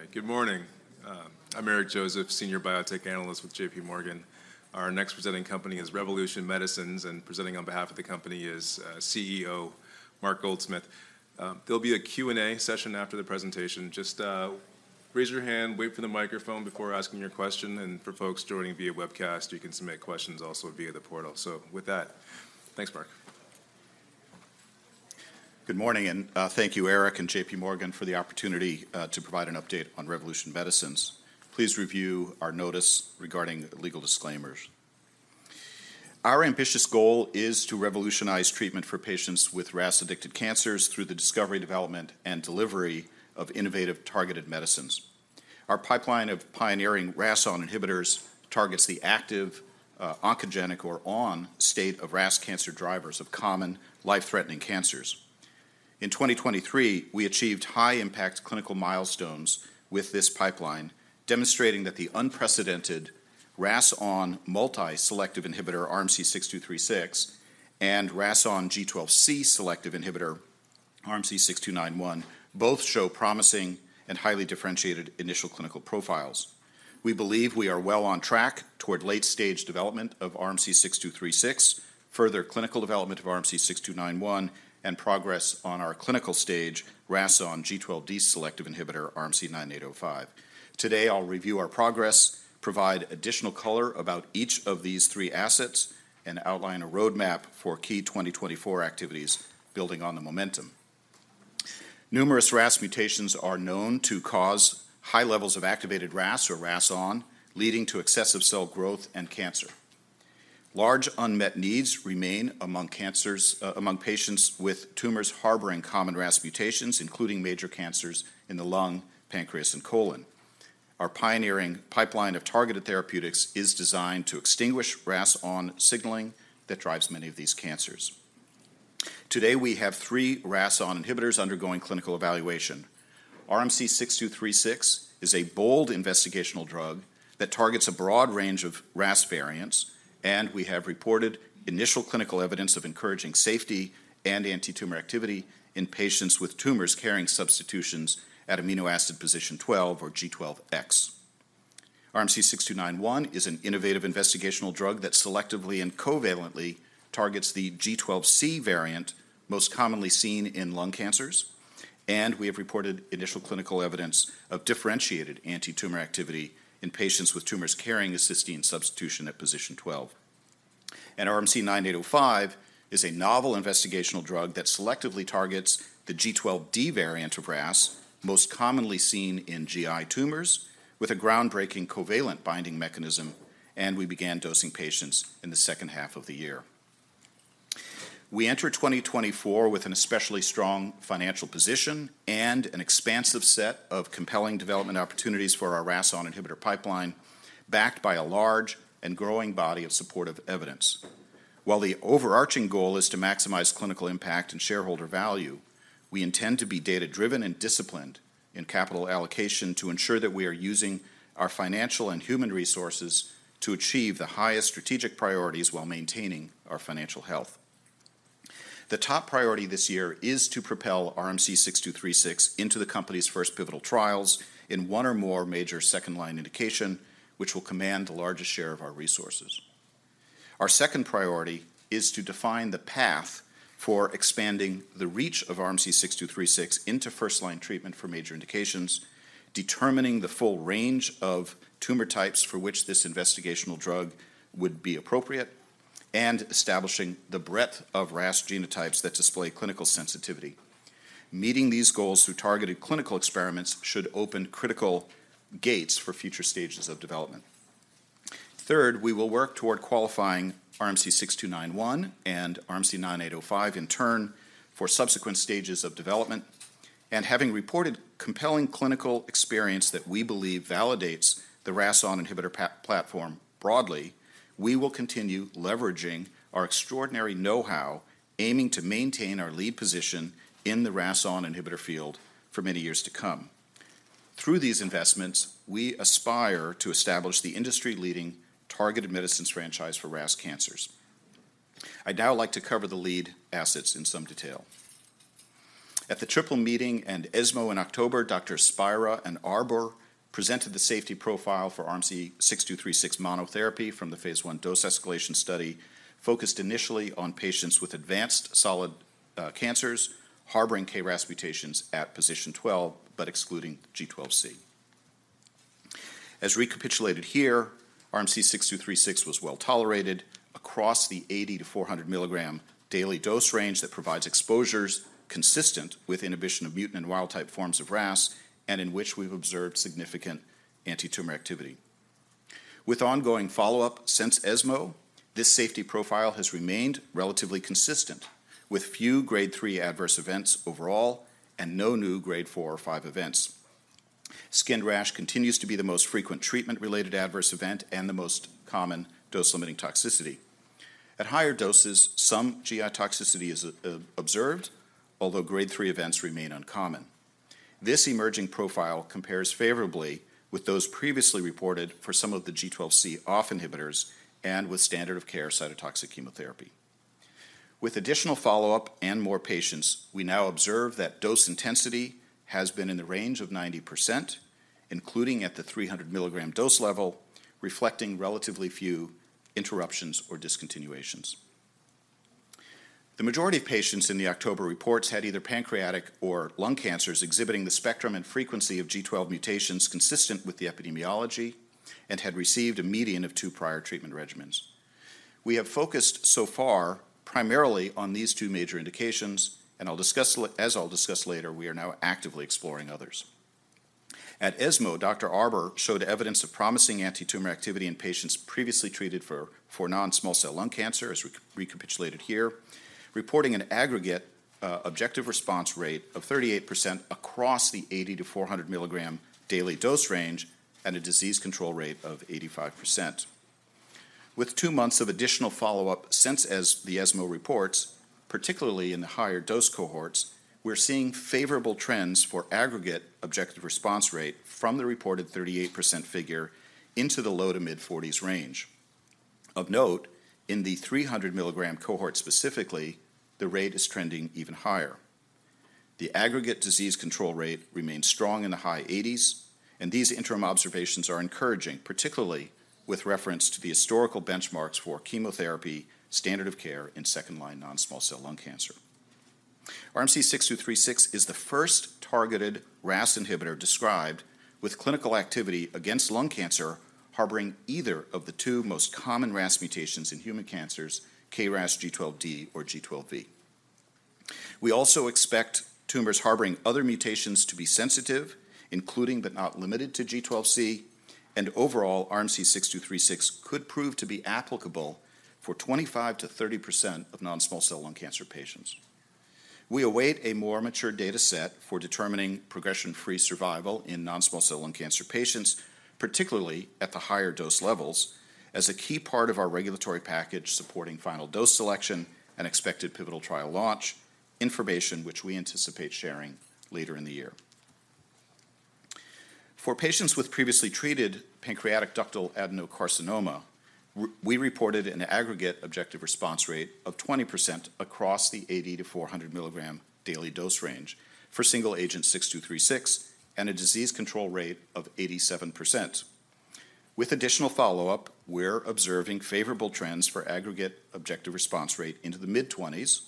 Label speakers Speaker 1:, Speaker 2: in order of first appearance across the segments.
Speaker 1: Okay, good morning. I'm Eric Joseph, Senior Biotech Analyst with J.P. Morgan. Our next Presenting Company is Revolution Medicines, and presenting on behalf of the company is CEO Mark Goldsmith. There'll be a Q&A session after the presentation. Just raise your hand, wait for the microphone before asking your question, and for folks joining via Webcast, you can submit questions also via the portal. So with that, thanks, Mark.
Speaker 2: Good morning, and thank you, Eric and J.P. Morgan, for the opportunity, to provide an update on Revolution Medicines. Please review our notice regarding legal disclaimers. Our ambitious goal is to revolutionize treatment for patients with RAS-addicted cancers through the discovery, development, and delivery of innovative targeted medicines. Our pipeline of pioneering RAS(ON) inhibitors targets the active, oncogenic or ON state of RAS cancer drivers of common life-threatening cancers. In 2023, we achieved high-impact clinical milestones with this pipeline, demonstrating that the unprecedented RAS(ON) multi-selective inhibitor, RMC-6236, and RAS(ON) G12C selective inhibitor, RMC-6291, both show promising and highly differentiated Initial Clinical Profiles. We believe we are well on track toward late-stage development of RMC-6236, further clinical development of RMC-6291, and progress on our clinical-stage RAS(ON) G12D selective inhibitor, RMC-9805. Today, I'll review our progress, provide additional color about each of these three assets, and outline a roadmap for key 2024 activities building on the momentum. Numerous RAS mutations are known to cause high levels of activated RAS or RAS(ON), leading to excessive cell growth and cancer. Large unmet needs remain among cancers, among patients with tumors harboring common RAS mutations, including major cancers in the lung, pancreas, and colon. Our pioneering pipeline of targeted therapeutics is designed to extinguish RAS(ON) signaling that drives many of these cancers. Today, we have three RAS(ON) inhibitors undergoing clinical evaluation. RMC-6236 is a bold investigational drug that targets a broad range of RAS variants, and we have reported initial clinical evidence of encouraging safety and antitumor activity in patients with tumors carrying substitutions at amino acid position 12 or G12X. RMC-6291 is an innovative investigational drug that selectively and covalently targets the G12C variant, most commonly seen in lung cancers, and we have reported initial clinical evidence of differentiated antitumor activity in patients with tumors carrying a cysteine substitution at position 12. RMC-9805 is a novel investigational drug that selectively targets the G12D variant of RAS, most commonly seen in GI tumors, with a groundbreaking covalent binding mechanism, and we began dosing patients in the second half of the year. We enter 2024 with an especially strong financial position and an expansive set of compelling development opportunities for our RAS-ON inhibitor pipeline, backed by a large and growing body of supportive evidence. While the overarching goal is to maximize clinical impact and shareholder value, we intend to be data-driven and disciplined in capital allocation to ensure that we are using our financial and human resources to achieve the highest strategic priorities while maintaining our financial health. The top priority this year is to propel RMC-6236 into the company's first pivotal trials in one or more major second-line indications, which will command the largest share of our resources. Our second priority is to define the path for expanding the reach of RMC-6236 into first-line treatment for major indications, determining the full range of tumor types for which this investigational drug would be appropriate, and establishing the breadth of RAS genotypes that display clinical sensitivity. Meeting these goals through targeted clinical experiments should open critical gates for future stages of development. Third, we will work toward qualifying RMC-6291 and RMC-9805 in turn for subsequent stages of development. Having reported compelling clinical experience that we believe validates the RAS(ON) inhibitor platform broadly, we will continue leveraging our extraordinary know-how, aiming to maintain our lead position in the RAS(ON) inhibitor field for many years to come. Through these investments, we aspire to establish the industry-leading targeted medicines franchise for RAS cancers. I'd now like to cover the lead assets in some detail. At the Triple Meeting and ESMO in October, Dr. Spira and Arbour presented the safety profile for RMC-6236 monotherapy from the phase I Dose Escalation Study, focused initially on patients with advanced solid cancers harboring KRAS mutations at position 12, but excluding G12C. As recapitulated here, RMC-6236 was well tolerated across the 80-400 mg daily dose range that provides exposures consistent with inhibition of mutant and wild-type forms of RAS and in which we've observed significant antitumor activity. With ongoing follow-up since ESMO, this safety profile has remained relatively consistent, with few Grade three adverse events overall and no new Grade four or five events. Skin rash continues to be the most frequent treatment-related adverse event and the most common dose-limiting toxicity. At higher doses, some GI toxicity is observed, although Grade three events remain uncommon. This emerging profile compares favorably with those previously reported for some of the G12C OFF inhibitors and with standard of care cytotoxic chemotherapy... With additional follow-up and more patients, we now observe that dose intensity has been in the range of 90%, including at the 300 mg dose level, reflecting relatively few interruptions or discontinuations. The majority of patients in the October reports had either pancreatic or lung cancers exhibiting the spectrum and frequency of G12 mutations consistent with the epidemiology and had received a median of two prior treatment regimens. We have focused so far primarily on these two major indications, and as I'll discuss later, we are now actively exploring others. At ESMO, Dr. Arbour showed evidence of promising antitumor activity in patients previously treated for non-small cell lung cancer, as we recapitulated here, reporting an aggregate objective response rate of 38% across the 80-400 mg daily dose range and a disease control rate of 85%. With two months of additional follow-up since the ESMO reports, particularly in the higher dose cohorts, we're seeing favorable trends for aggregate objective response rate from the reported 38% figure into the low-to-mid 40s range. Of note, in the 300 mg cohort specifically, the rate is trending even higher. The Aggregate Disease Control Rate remains strong in the high 80s, and these interim observations are encouraging, particularly with reference to the historical benchmarks for chemotherapy standard of care in second-line non-small cell lung cancer. RMC-6236 is the first targeted RAS inhibitor described with clinical activity against lung cancer harboring either of the two most common RAS mutations in human cancers, KRAS G12D or G12V. We also expect tumors harboring other mutations to be sensitive, including but not limited to G12C, and overall, RMC-6236 could prove to be applicable for 25%-30% of non-small cell lung cancer patients. We await a more mature dataset for determining progression-free survival in non-small cell lung cancer patients, particularly at the higher dose levels, as a key part of our regulatory package supporting final dose selection and expected pivotal trial launch information, which we anticipate sharing later in the year. For patients with previously treated pancreatic ductal adenocarcinoma, we reported an aggregate objective response rate of 20% across the 80-400 mg daily dose range for single agent 6236 and a disease control rate of 87%. With additional follow-up, we're observing favorable trends for aggregate objective response rate into the mid-20s.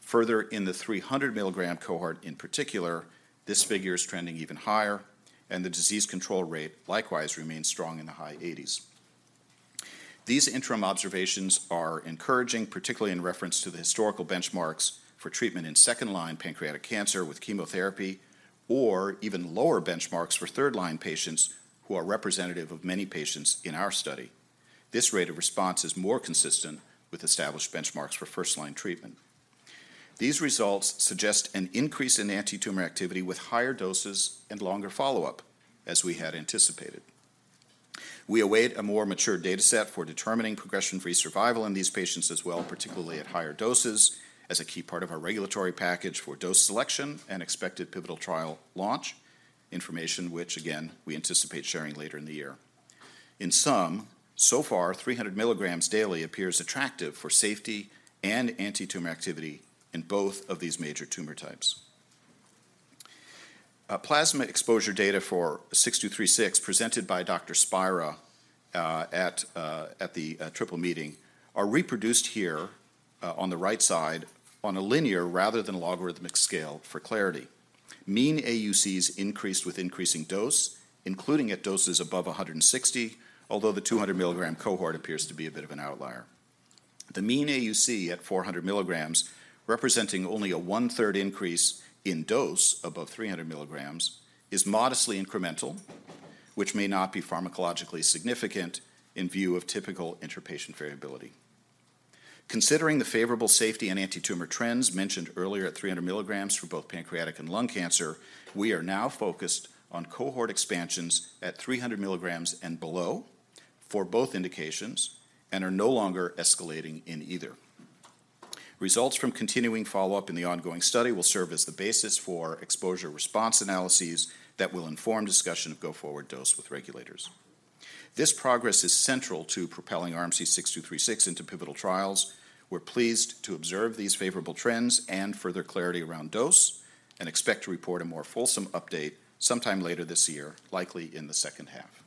Speaker 2: Further, in the 300 mg cohort in particular, this figure is trending even higher, and the disease control rate likewise remains strong in the high 80s. These interim observations are encouraging, particularly in reference to the historical benchmarks for treatment in second-line pancreatic cancer with chemotherapy or even lower benchmarks for third-line patients who are representative of many patients in our study. This rate of response is more consistent with established benchmarks for first-line treatment. These results suggest an increase in antitumor activity with higher doses and longer follow-up, as we had anticipated. We await a more mature dataset for determining progression-free survival in these patients as well, particularly at higher doses, as a key part of our regulatory package for dose selection and expected pivotal trial launch, information which again, we anticipate sharing later in the year. In sum, so far, 300 milligrams daily appears attractive for safety and antitumor activity in both of these major tumor types. Plasma exposure data for 6236, presented by Dr. Spira at the Triple Meeting, are reproduced here, on the right side on a linear rather than a logarithmic scale for clarity. Mean AUCs increased with increasing dose, including at doses above 160, although the 200 milligram cohort appears to be a bit of an outlier. The mean AUC at 400 milligrams, representing only a one-third increase in dose above 300 milligrams, is modestly incremental, which may not be pharmacologically significant in view of typical interpatient variability. Considering the favorable safety and antitumor trends mentioned earlier at 300 milligrams for both pancreatic and lung cancer, we are now focused on cohort expansions at 300 milligrams and below for both indications and are no longer escalating in either. Results from continuing follow-up in the ongoing study will serve as the basis for exposure response analyses that will inform discussion of go-forward dose with regulators. This progress is central to propelling RMC-6236 into pivotal trials. We're pleased to observe these favorable trends and further clarity around dose and expect to report a more fulsome update sometime later this year, likely in the second half.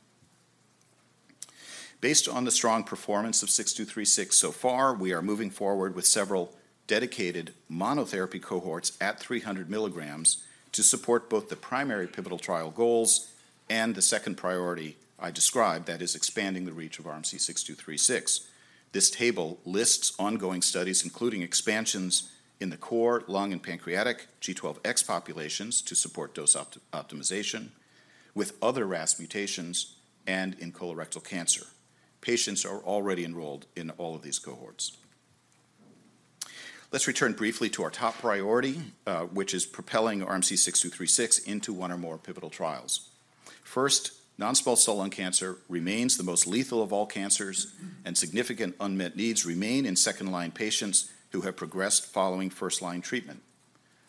Speaker 2: Based on the strong performance of 6236 so far, we are moving forward with several dedicated monotherapy cohorts at 300 milligrams to support both the primary pivotal trial goals and the second priority I described, that is, expanding the reach of RMC-6236. This table lists ongoing studies, including expansions in the core, lung, and pancreatic G12X populations to support dose optimization with other RAS mutations and in colorectal cancer. Patients are already enrolled in all of these cohorts. Let's return briefly to our top priority, which is propelling RMC-6236 into one or more pivotal trials. First, non-small cell lung cancer remains the most lethal of all cancers, and significant unmet needs remain in second-line patients who have progressed following first-line treatment.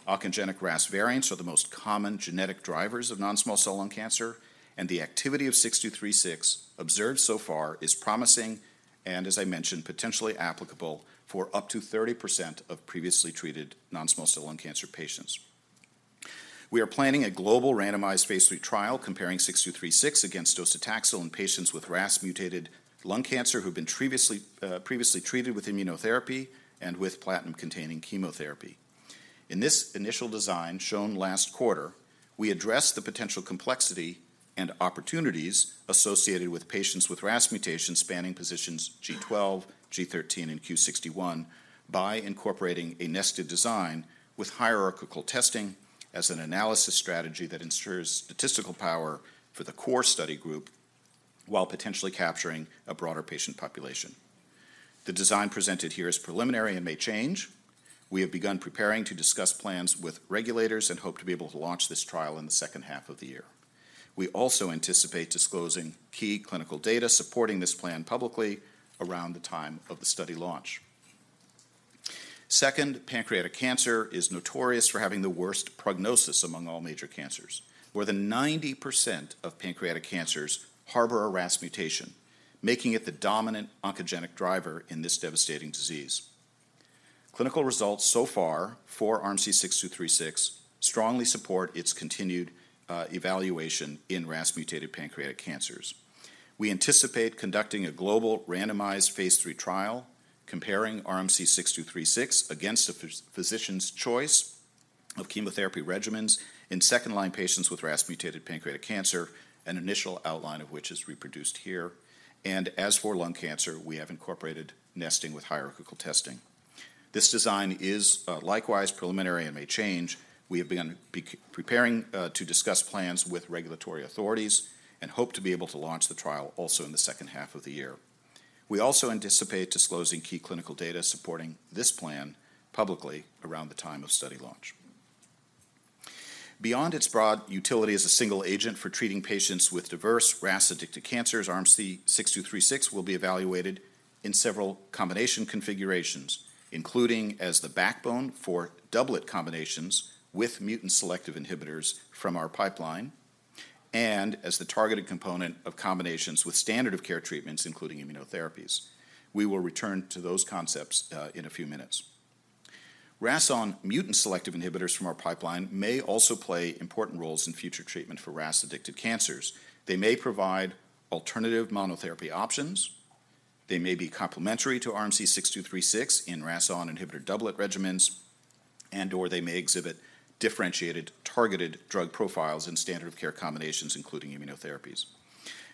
Speaker 2: Oncogenic RAS variants are the most common genetic drivers of non-small cell lung cancer, and the activity of 6236 observed so far is promising, and as I mentioned, potentially applicable for up to 30% of previously treated non-small cell lung cancer patients. We are planning a global randomized phase III trial comparing 6236 against docetaxel in patients with RAS-mutated lung cancer who have been previously, previously treated with immunotherapy and with platinum-containing chemotherapy. In this initial design, shown last quarter, we addressed the potential complexity and opportunities associated with patients with RAS mutations spanning positions G12, G13, and Q61 by incorporating a nested design with hierarchical testing as an analysis strategy that ensures statistical power for the core study group while potentially capturing a broader patient population. The design presented here is preliminary and may change. We have begun preparing to discuss plans with regulators and hope to be able to launch this trial in the second half of the year. We also anticipate disclosing key clinical data supporting this plan publicly around the time of the study launch. Second, pancreatic cancer is notorious for having the worst prognosis among all major cancers. More than 90% of pancreatic cancers harbor a RAS mutation, making it the dominant oncogenic driver in this devastating disease. Clinical results so far for RMC-6236 strongly support its continued evaluation in RAS mutated pancreatic cancers. We anticipate conducting a global randomized phase III trial comparing RMC-6236 against a physician's choice of chemotherapy regimens in second-line patients with RAS mutated pancreatic cancer, an initial outline of which is reproduced here. And as for lung cancer, we have incorporated nesting with hierarchical testing. This design is likewise preliminary and may change. We have begun preparing to discuss plans with regulatory authorities and hope to be able to launch the trial also in the second half of the year. We also anticipate disclosing key clinical data supporting this plan publicly around the time of study launch. Beyond its broad utility as a single agent for treating patients with diverse RAS-addicted cancers, RMC-6236 will be evaluated in several combination configurations, including as the backbone for doublet combinations with mutant-selective inhibitors from our pipeline and as the targeted component of combinations with standard of care treatments, including immunotherapies. We will return to those concepts in a few minutes. RAS(ON) mutant-selective inhibitors from our pipeline may also play important roles in future treatment for RAS-addicted cancers. They may provide alternative monotherapy options, they may be complementary to RMC-6236 in RAS(ON) inhibitor doublet regimens, and/or they may exhibit differentiated, targeted drug profiles and standard of care combinations, including immunotherapies.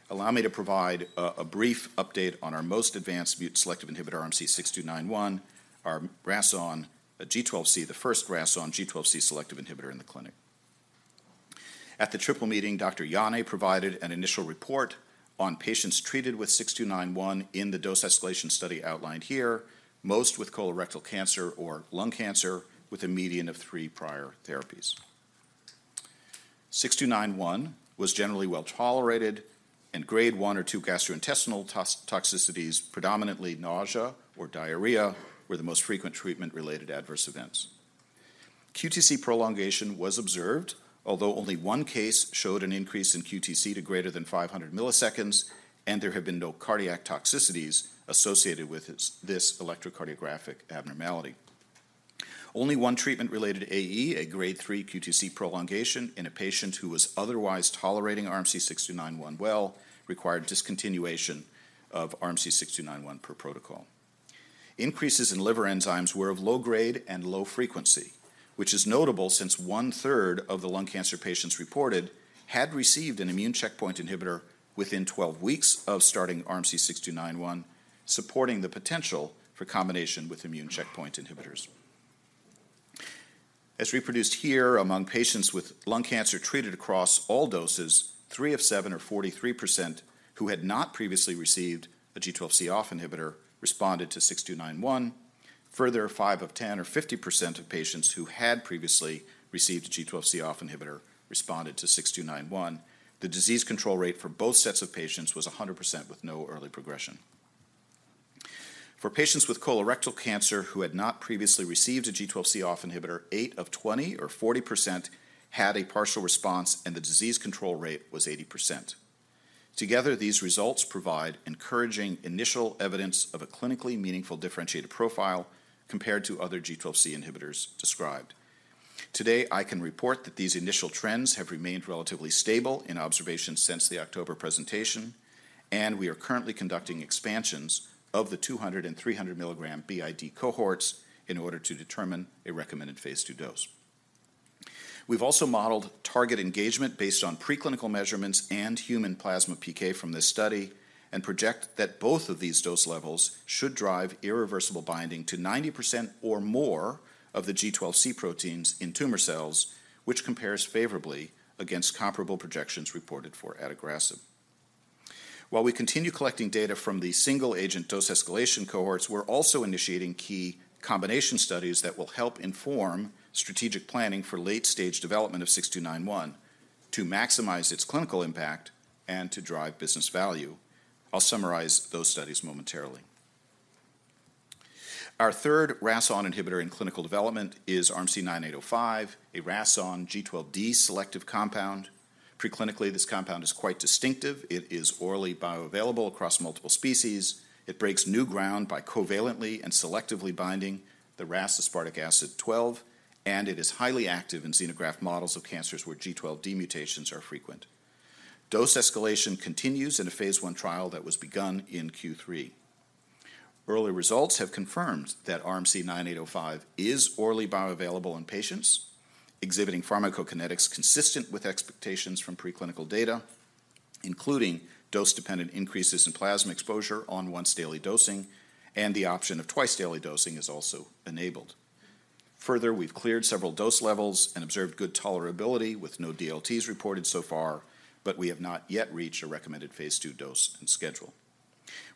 Speaker 2: Allow me to provide a brief update on our most advanced mutant-selective inhibitor, RMC-6291, our RAS(ON) G12C, the first RAS(ON) G12C selective inhibitor in the clinic. At the Triple Meeting, Dr. Janne provided an initial report on patients treated with 6291 in the dose escalation study outlined here, most with colorectal cancer or lung cancer, with a median of three prior therapies. 6291 was generally well tolerated, and Grade one or two gastrointestinal toxicities, predominantly nausea or diarrhea, were the most frequent treatment-related adverse events. QTc prolongation was observed, although only one case showed an increase in QTc to greater than 500 milliseconds, and there have been no cardiac toxicities associated with this electrocardiographic abnormality. Only one treatment-related AE, a Grade three QTc prolongation in a patient who was otherwise tolerating RMC-6291 well, required discontinuation of RMC-6291 per protocol. Increases in liver enzymes were of low grade and low frequency, which is notable since one-third of the lung cancer patients reported had received an immune checkpoint inhibitor within 12 weeks of starting RMC-6291, supporting the potential for combination with immune checkpoint inhibitors. As reproduced here, among patients with lung cancer treated across all doses, 3 of 7 or 43%, who had not previously received a G12C OFF inhibitor, responded to 6291. Further, 5 of 10 or 50% of patients who had previously received a G12C OFF inhibitor responded to 6291. The disease control rate for both sets of patients was 100% with no early progression. For patients with colorectal cancer who had not previously received a G12C off inhibitor, 8 of 20 or 40% had a partial response, and the disease control rate was 80%. Together, these results provide encouraging initial evidence of a clinically meaningful differentiated profile compared to other G12C inhibitors described. Today, I can report that these initial trends have remained relatively stable in observation since the October presentation, and we are currently conducting expansions of the 200 and 300mg BID cohorts in order to determine a recommended phase II dose. We've also modeled target engagement based on preclinical measurements and human plasma PK from this study and project that both of these dose levels should drive irreversible binding to 90% or more of the G12C proteins in tumor cells, which compares favorably against comparable projections reported for adagrasib. While we continue collecting data from the single-agent dose escalation cohorts, we're also initiating key combination studies that will help inform strategic planning for late-stage development of 6291 to maximize its clinical impact and to drive business value. I'll summarize those studies momentarily.... Our third RAS(ON) inhibitor in clinical development is RMC-9805, a RAS(ON) G12D selective compound. Preclinically, this compound is quite distinctive. It is orally bioavailable across multiple species. It breaks new ground by covalently and selectively binding the RAS aspartic acid twelve, and it is highly active in xenograft models of cancers where G12D mutations are frequent. Dose escalation continues in a phase I trial that was begun in Q3. Early results have confirmed that RMC-9805 is orally bioavailable in patients, exhibiting pharmacokinetics consistent with expectations from preclinical data, including dose-dependent increases in plasma exposure on once-daily dosing, and the option of twice-daily dosing is also enabled. Further, we've cleared several dose levels and observed good tolerability, with no DLTs reported so far, but we have not yet reached a recommended phase II dose and schedule.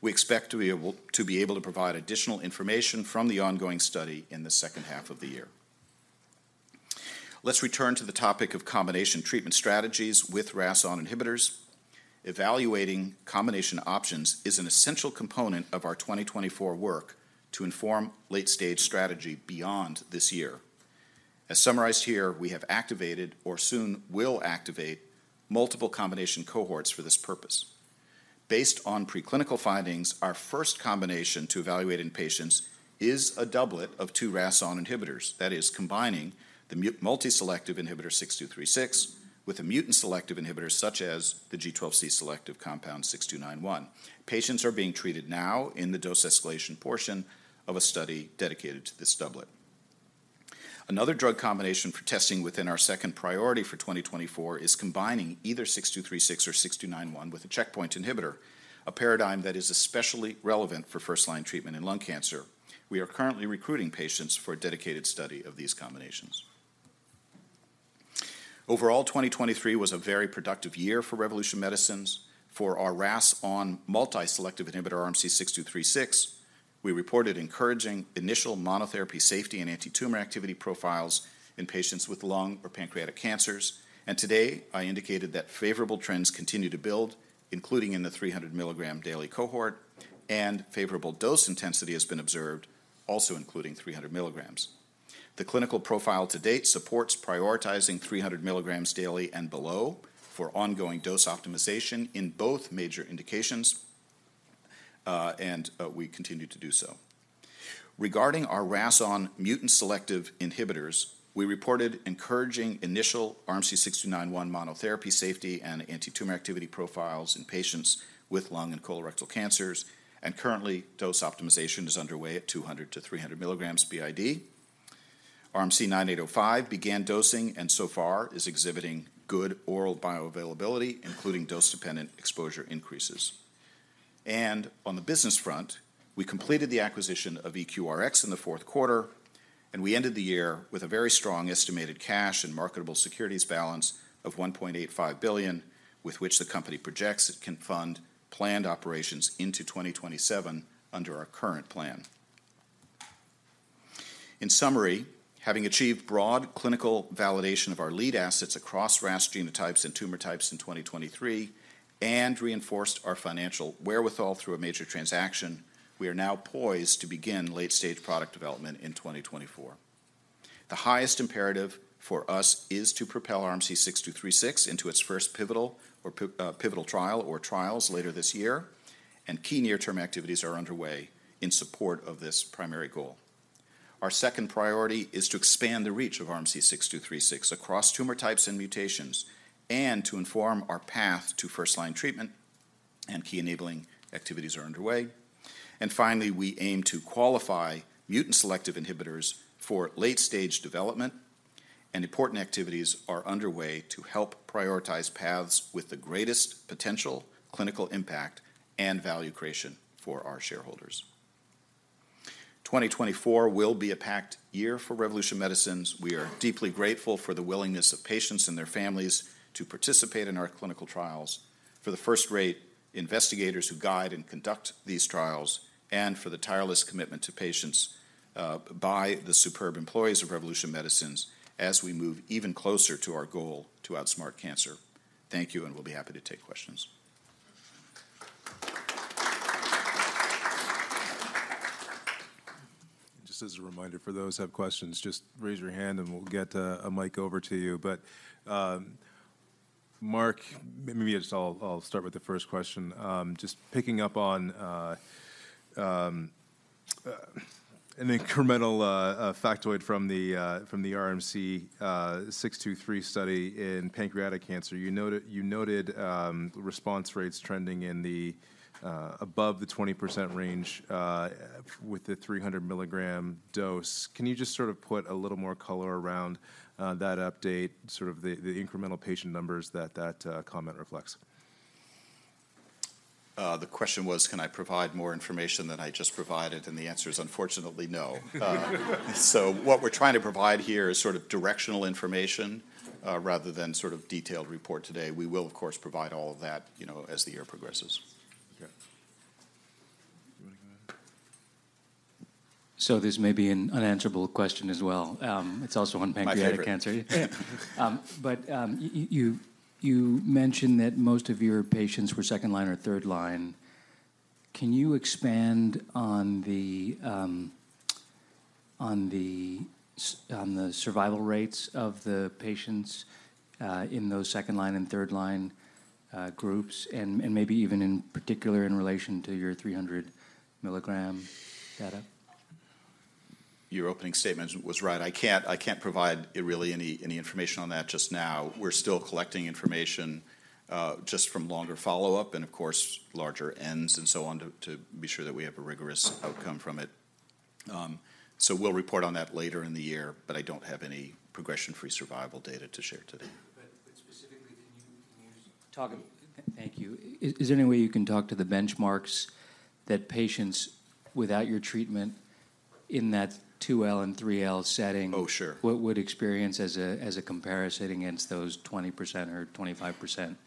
Speaker 2: We expect to be able, to be able to provide additional information from the ongoing study in the second half of the year. Let's return to the topic of combination treatment strategies with RAS-on inhibitors. Evaluating combination options is an essential component of our 2024 work to inform late-stage strategy beyond this year. As summarized here, we have activated or soon will activate multiple combination cohorts for this purpose. Based on preclinical findings, our first combination to evaluate in patients is a doublet of two RAS(ON) inhibitors, that is, combining the multi-selective inhibitor 6236 with a mutant-selective inhibitor, such as the G12C-selective compound 6291. Patients are being treated now in the dose escalation portion of a study dedicated to this doublet. Another drug combination for testing within our second priority for 2024 is combining either 6236 or 6291 with a checkpoint inhibitor, a paradigm that is especially relevant for first-line treatment in lung cancer. We are currently recruiting patients for a dedicated study of these combinations. Overall, 2023 was a very productive year for Revolution Medicines. For our RAS(ON) multi-selective inhibitor, RMC-6236, we reported encouraging initial monotherapy safety and antitumor activity profiles in patients with lung or pancreatic cancers. Today, I indicated that favorable trends continue to build, including in the 300-mg daily cohort, and favorable dose intensity has been observed, also including 300 mg. The clinical profile to date supports prioritizing 300 mg daily and below for ongoing dose optimization in both major indications, and we continue to do so. Regarding our RAS(ON) mutant-selective inhibitors, we reported encouraging initial RMC-6291 monotherapy safety and antitumor activity profiles in patients with lung and colorectal cancers, and currently, dose optimization is underway at 200-300 mg BID. RMC-9805 began dosing, and so far is exhibiting good oral bioavailability, including dose-dependent exposure increases. On the business front, we completed the acquisition of EQRx in the fourth quarter, and we ended the year with a very strong estimated cash and marketable securities balance of $1.85 billion, with which the company projects it can fund planned operations into 2027 under our current plan. In summary, having achieved broad clinical validation of our lead assets across RAS genotypes and tumor types in 2023 and reinforced our financial wherewithal through a major transaction, we are now poised to begin late-stage product development in 2024. The highest imperative for us is to propel RMC-6236 into its first pivotal trial or trials later this year, and key near-term activities are underway in support of this primary goal. Our second priority is to expand the reach of RMC-6236 across tumor types and mutations and to inform our path to first-line treatment, and key enabling activities are underway. And finally, we aim to qualify mutant-selective inhibitors for late-stage development, and important activities are underway to help prioritize paths with the greatest potential clinical impact and value creation for our shareholders. 2024 will be a packed year for Revolution Medicines. We are deeply grateful for the willingness of patients and their families to participate in our clinical trials, for the first-rate investigators who guide and conduct these trials, and for the tireless commitment to patients, by the superb employees of Revolution Medicines as we move even closer to our goal to outsmart cancer. Thank you, and we'll be happy to take questions.
Speaker 1: Just as a reminder, for those who have questions, just raise your hand, and we'll get a mic over to you. But, Mark, maybe I'll start with the first question. Just picking up on an incremental factoid from the RMC-6236 study in pancreatic cancer. You noted response rates trending in the above the 20% range with the 300-milligram dose. Can you just sort of put a little more color around that update, sort of the incremental patient numbers that comment reflects?
Speaker 2: The question was, can I provide more information than I just provided? And the answer is unfortunately, no. So what we're trying to provide here is sort of directional information, rather than sort of detailed report today. We will, of course, provide all of that, you know, as the year progresses.
Speaker 1: Okay. You want to go ahead?
Speaker 3: So this may be an unanswerable question as well. It's also on pancreatic cancer. But you mentioned that most of your patients were second line or third line. Can you expand on the survival rates of the patients in those second line and third line groups, and maybe even in particular, in relation to your 300 milligram data?
Speaker 2: Your opening statement was right. I can't, I can't provide really any, any information on that just now. We're still collecting information, just from longer follow-up and, of course, larger ends and so on, to, to be sure that we have a rigorous outcome from it. So we'll report on that later in the year, but I don't have any progression-free survival data to share today.
Speaker 3: But specifically, can you talk... Thank you. Is there any way you can talk to the benchmarks that patients without your treatment in that 2L and 3L setting-
Speaker 2: Oh, sure.
Speaker 3: Would experience as a comparison against those 20% or 25%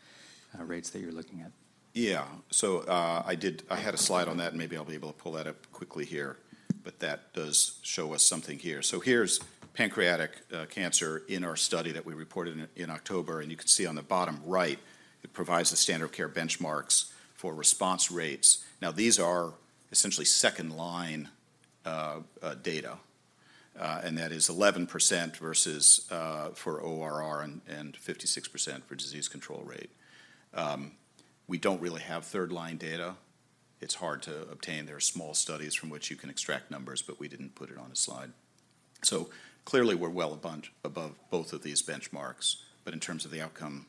Speaker 3: rates that you're looking at?
Speaker 2: Yeah. So, I had a slide on that, and maybe I'll be able to pull that up quickly here. But that does show us something here. So here's pancreatic cancer in our study that we reported in October, and you can see on the bottom right, it provides the standard care benchmarks for response rates. Now, these are essentially second-line data, and that is 11% versus for ORR and 56% for disease control rate. We don't really have third-line data. It's hard to obtain. There are small studies from which you can extract numbers, but we didn't put it on a slide. So clearly, we're well a bunch above both of these benchmarks. But in terms of the outcome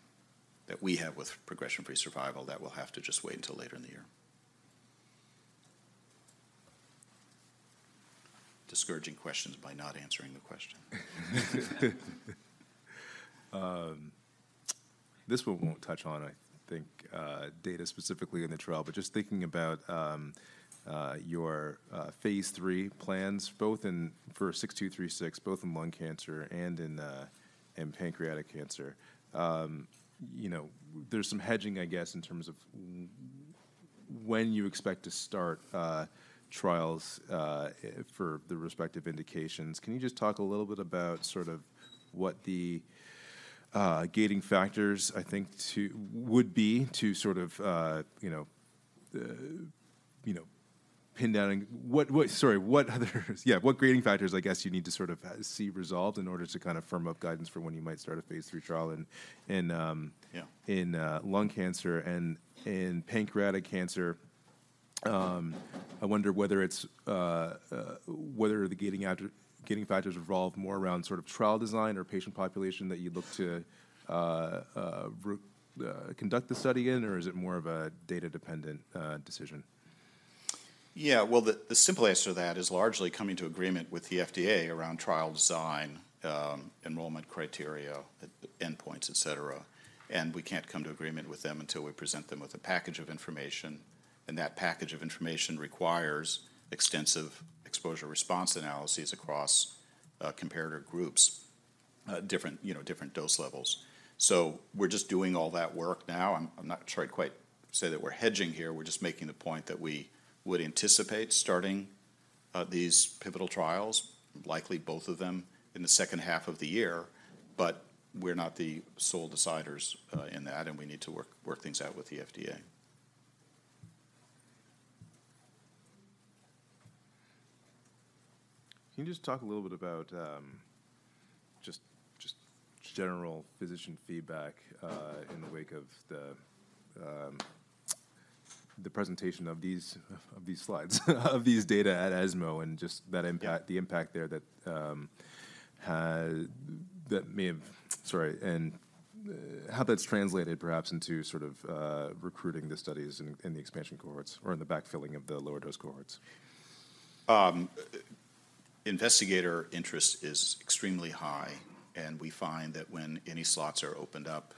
Speaker 2: that we have with progression-free survival, that will have to just wait until later in the year. Discouraging questions by not answering the question.
Speaker 1: This one won't touch on, I think, data specifically in the trial, but just thinking about, your phase III plans, both in for 6236, both in lung cancer and in pancreatic cancer. You know, there's some hedging, I guess, in terms of when you expect to start trials for the respective indications. Can you just talk a little bit about sort of what the gating factors, I think, would be to sort of, you know, you know, pin down and... What, Sorry, what other... Yeah, what gating factors, I guess, you need to sort of see resolved in order to kind of firm up guidance for when you might start a phase III trial in,
Speaker 2: Yeah
Speaker 1: in lung cancer and in pancreatic cancer? I wonder whether it's whether the gating factor, gating factors revolve more around sort of trial design or the patient population that you look to conduct the study in, or is it more of a data-dependent decision?
Speaker 2: Yeah, well, the simple answer to that is largely coming to agreement with the FDA around trial design, enrollment criteria, endpoints, et cetera. And we can't come to agreement with them until we present them with a package of information, and that package of information requires extensive exposure response analyses across, comparator groups, different, you know, different dose levels. So we're just doing all that work now. I'm not trying to quite say that we're hedging here. We're just making the point that we would anticipate starting, these pivotal trials, likely both of them, in the second half of the year. But we're not the sole deciders, in that, and we need to work things out with the FDA.
Speaker 1: Can you just talk a little bit about just general physician feedback in the wake of the presentation of these slides, of these data at ESMO and just that impact-
Speaker 2: Yeah
Speaker 1: the impact there that may have... Sorry, and how that's translated perhaps into sort of recruiting the studies in the expansion cohorts or in the backfilling of the lower dose cohorts?
Speaker 2: Investigator interest is extremely high, and we find that when any slots are opened up,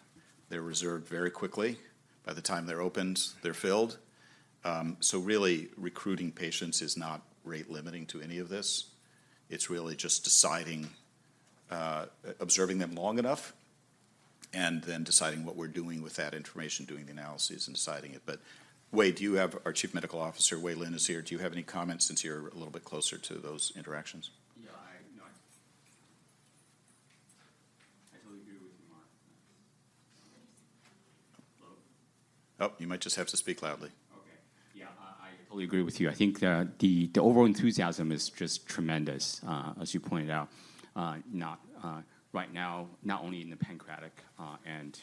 Speaker 2: they're reserved very quickly. By the time they're opened, they're filled. So really, recruiting patients is not rate-limiting to any of this. It's really just deciding, observing them long enough and then deciding what we're doing with that information, doing the analyses and deciding it. But Wei, do you have— Our Chief Medical Officer, Wei Lin, is here. Do you have any comments, since you're a little bit closer to those interactions?
Speaker 4: Yeah, no, I totally agree with you, Mark. Hello?
Speaker 2: Oh, you might just have to speak loudly.
Speaker 4: Okay. Yeah, I fully agree with you. I think the overall enthusiasm is just tremendous, as you pointed out, not right now, not only in the pancreatic and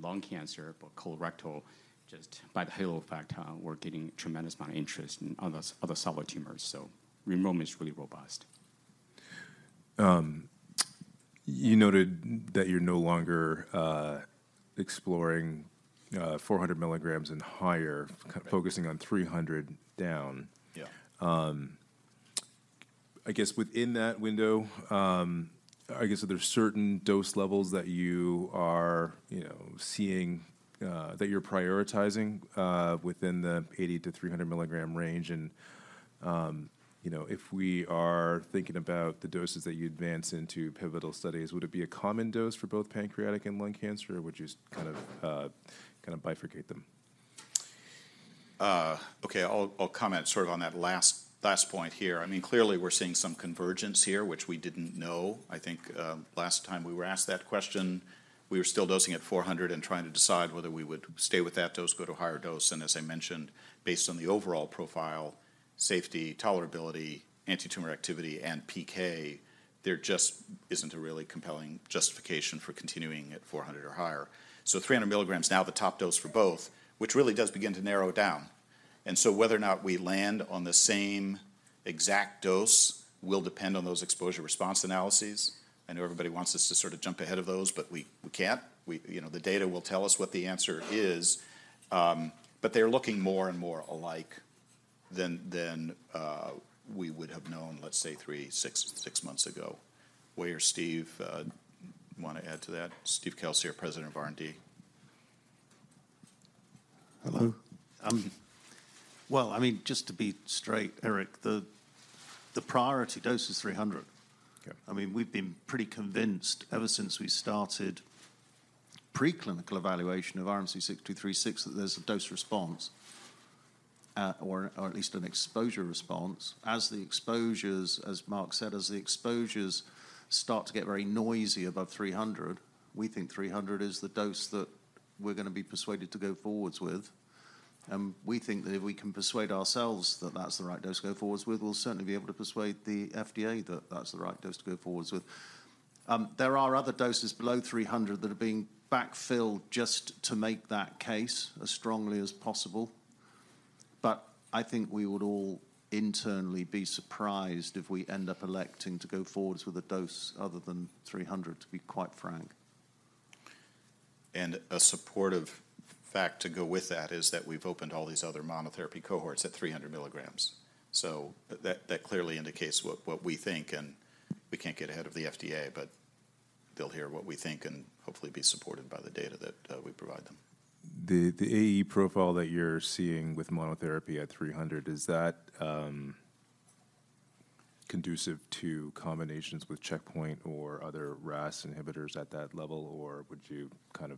Speaker 4: lung cancer, but colorectal, just by the halo effect, we're getting tremendous amount of interest in other solid tumors, so enrollment is really robust.
Speaker 1: You noted that you're no longer exploring 400 milligrams and higher-
Speaker 2: Correct.
Speaker 1: focusing on 300 down.
Speaker 2: Yeah.
Speaker 1: I guess within that window, I guess, are there certain dose levels that you are, you know, seeing, that you're prioritizing, within the 80-300 milligram range? You know, if we are thinking about the doses that you advance into pivotal studies, would it be a common dose for both pancreatic and lung cancer, or would you just kind of, kind of bifurcate them?
Speaker 2: Okay, I'll comment sort of on that last point here. I mean, clearly we're seeing some convergence here, which we didn't know. I think, last time we were asked that question, we were still dosing at 400 and trying to decide whether we would stay with that dose, go to a higher dose. And as I mentioned, based on the overall profile, safety, tolerability, antitumor activity, and PK, there just isn't a really compelling justification for continuing at 400 or higher. So 300 milligrams, now the top dose for both, which really does begin to narrow it down. And so whether or not we land on the same exact dose will depend on those exposure response analyses. I know everybody wants us to sort of jump ahead of those, but we can't. You know, the data will tell us what the answer is, but they're looking more and more alike than we would have known, let's say, three, six months ago. Wei or Steve want to add to that? Steve Kelsey, our President of R&D.
Speaker 5: Hello. Well, I mean, just to be straight, Eric, the priority dose is 300.
Speaker 2: Okay.
Speaker 5: I mean, we've been pretty convinced ever since we started preclinical evaluation of RMC-6236, that there's a dose response, or, or at least an exposure response. As the exposures, as Mark said, as the exposures start to get very noisy above 300, we think 300 is the dose that we're gonna be persuaded to go forwards with. And we think that if we can persuade ourselves that that's the right dose to go forwards with, we'll certainly be able to persuade the FDA that that's the right dose to go forwards with. There are other doses below 300 that are being backfilled just to make that case as strongly as possible. But I think we would all internally be surprised if we end up electing to go forwards with a dose other than 300, to be quite frank.
Speaker 2: A supportive fact to go with that is that we've opened all these other monotherapy cohorts at 300 milligrams. So that clearly indicates what we think, and we can't get ahead of the FDA, but they'll hear what we think and hopefully be supported by the data that we provide them.
Speaker 1: The AE profile that you're seeing with monotherapy at 300, is that conducive to combinations with checkpoint or other RAS inhibitors at that level, or would you kind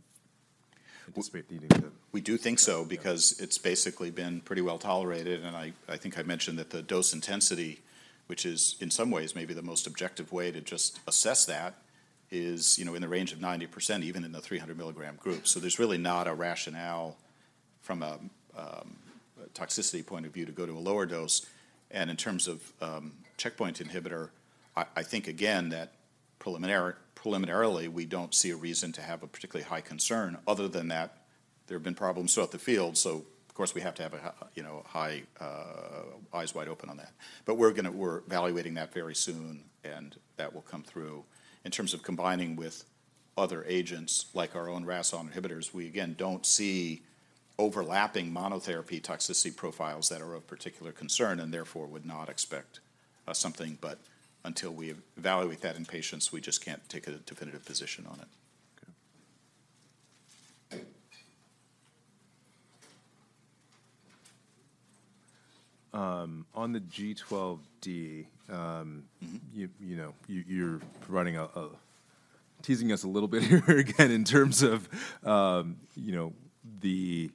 Speaker 1: of anticipate needing to?
Speaker 2: We do think so, because it's basically been pretty well tolerated, and I think I mentioned that the dose intensity, which is in some ways maybe the most objective way to just assess that, is, you know, in the range of 90%, even in the 300 milligram group. So there's really not a rationale from a toxicity point of view to go to a lower dose. And in terms of checkpoint inhibitor, I think, again, that preliminarily, we don't see a reason to have a particularly high concern other than that there have been problems throughout the field. So, of course, we have to have a high, you know, eyes wide open on that. But we're gonna, we're evaluating that very soon, and that will come through. In terms of combining with other agents, like our own RAS inhibitor, we again, don't see overlapping monotherapy toxicity profiles that are of particular concern, and therefore, would not expect something. But until we evaluate that in patients, we just can't take a definitive position on it.
Speaker 1: Okay. On the G12D,
Speaker 2: Mm-hmm.
Speaker 1: You know, you're teasing us a little bit here again, in terms of, you know, seeing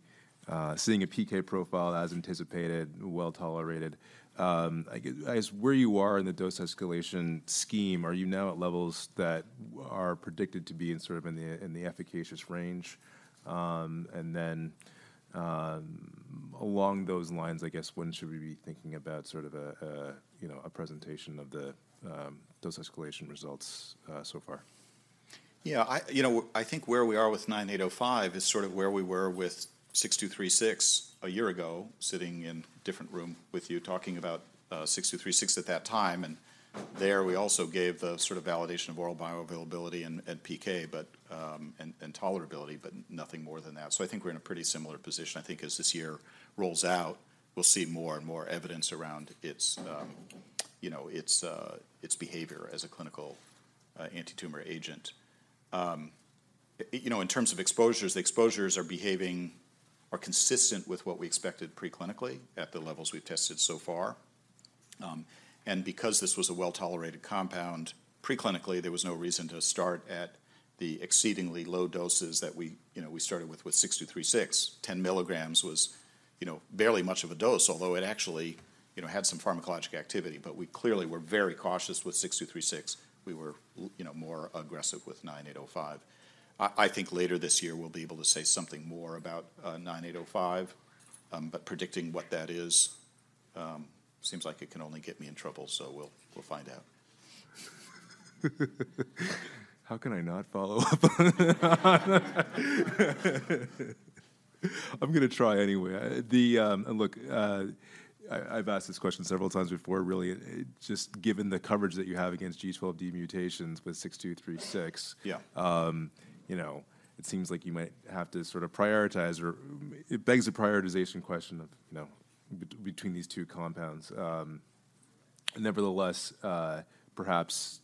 Speaker 1: a PK profile as anticipated, well-tolerated. Where you are in the dose escalation scheme, are you now at levels that are predicted to be in sort of the efficacious range? And then, along those lines, I guess, when should we be thinking about sort of a, you know, a presentation of the dose escalation results so far?
Speaker 2: Yeah, I, you know, I think where we are with 9805 is sort of where we were with 6236 a year ago, sitting in a different room with you, talking about 6236 at that time. And there, we also gave the sort of validation of oral bioavailability and, and PK, but, and, and tolerability, but nothing more than that. So I think we're in a pretty similar position. I think as this year rolls out, we'll see more and more evidence around its, you know, its, its behavior as a clinical, antitumor agent. You know, in terms of exposures, the exposures are behaving or consistent with what we expected preclinically at the levels we've tested so far. And because this was a well-tolerated compound, preclinically, there was no reason to start at the exceedingly low doses that we, you know, we started with, with 6236. 10 milligrams was, you know, barely much of a dose, although it actually, you know, had some pharmacologic activity. But we clearly were very cautious with 6236. We were, you know, more aggressive with 9805. I, I think later this year, we'll be able to say something more about, nine eight oh five, but predicting what that is, seems like it can only get me in trouble, so we'll, we'll find out.
Speaker 1: How can I not follow up on that? I'm gonna try anyway. Look, I've asked this question several times before, really. Just given the coverage that you have against G12D mutations with 6236-
Speaker 2: Yeah.
Speaker 1: You know, it seems like you might have to sort of prioritize, or it begs the prioritization question of, you know, between these two compounds. Nevertheless, perhaps,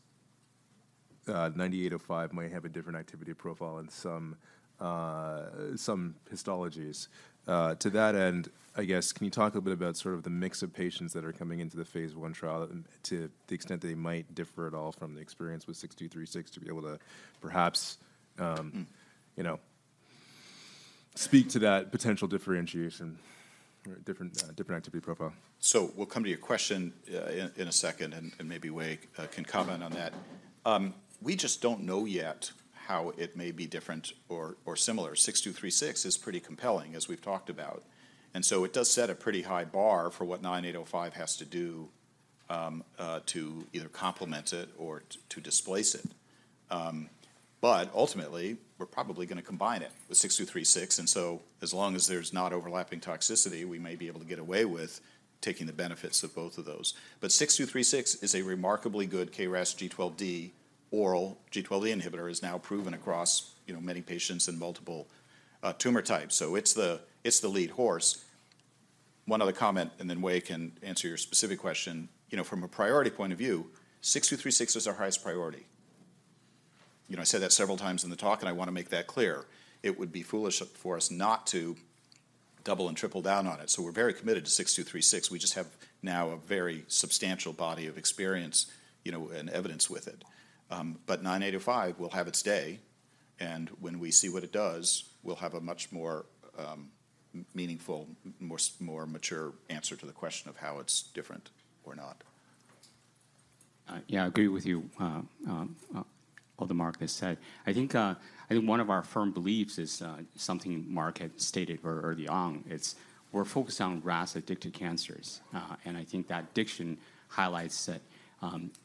Speaker 1: 9805 might have a different activity profile in some histologies. To that end, I guess, can you talk a bit about sort of the mix of patients that are coming into the phase I trial, and to the extent that they might differ at all from the experience with 6236, to be able to perhaps,
Speaker 2: Mm.
Speaker 1: You know... speak to that potential differentiation or different, different activity profile?
Speaker 2: So we'll come to your question in a second, and maybe Wei can comment on that. We just don't know yet how it may be different or similar. 6236 is pretty compelling, as we've talked about, and so it does set a pretty high bar for what 9805 has to do to either complement it or to displace it. But ultimately, we're probably gonna combine it with 6236, and so as long as there's not overlapping toxicity, we may be able to get away with taking the benefits of both of those. But 6236 is a remarkably good KRAS G12D oral G12D inhibitor, is now proven across, you know, many patients in multiple tumor types. So it's the lead horse. One other comment, and then Wei can answer your specific question. You know, from a priority point of view, 6236 is our highest priority. You know, I said that several times in the talk, and I wanna make that clear. It would be foolish for us not to double and triple down on it, so we're very committed to 6236. We just have now a very substantial body of experience, you know, and evidence with it. But 9805 will have its day, and when we see what it does, we'll have a much more meaningful, more mature answer to the question of how it's different or not.
Speaker 4: Yeah, I agree with you, all that Mark has said. I think, I think one of our firm beliefs is, something Mark had stated very early on. It's we're focused on RAS-addicted cancers, and I think that addiction highlights that,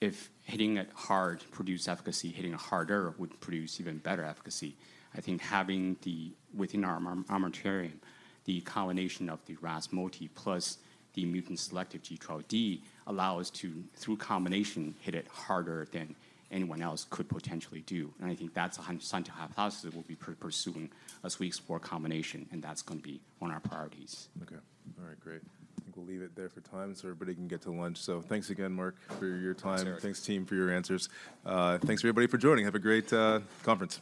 Speaker 4: if hitting it hard produce efficacy, hitting it harder would produce even better efficacy. I think having the within our armamentarium, the combination of the RAS multi plus the mutant-selective G12D allow us to, through combination, hit it harder than anyone else could potentially do, and I think that's a hundred scientific hypothesis we'll be pursuing as we explore combination, and that's gonna be one of our priorities.
Speaker 1: Okay. All right, great. I think we'll leave it there for time, so everybody can get to lunch. So thanks again, Mark, for your time.
Speaker 2: Sure.
Speaker 1: Thanks, team, for your answers. Thanks, everybody, for joining. Have a great conference!